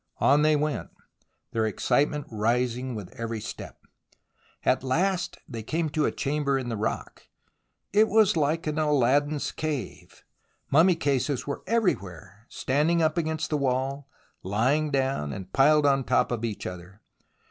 On they went, their excitement rising with every step. At last they came to a chamber in the rock. It was like an Aladdin's cave. Mummy cases were everywhere, standing up against the wall, lying down and piled on top of each other.